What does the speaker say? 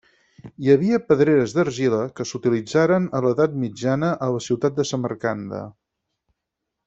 Hi havia pedreres d'argila que s'utilitzaran a l'edat mitjana a la ciutat de Samarcanda.